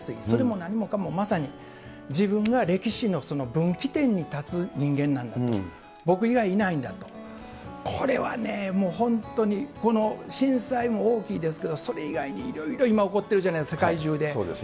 それも何もかも、まさに自分が歴史のその分岐点に立つ人間なんだと、僕以外いないんだと、これはね、もう本当に、この震災も大きいですけど、それ以外にいろいろ今、起こってるじゃない、世界中で。